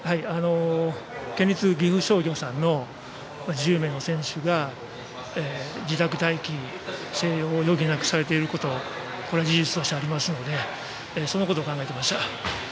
県立岐阜商業さんの１０名の選手が自宅待機、静養を余儀なくされていることこれは事実としてありますのでそのことを考えていました。